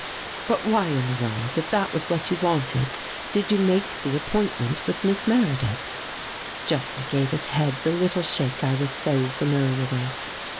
" But why in the world, if that was what you wanted, did you make the appointment with Miss Meredith? " Jeffrey gave his head the little shake I was so familiar with.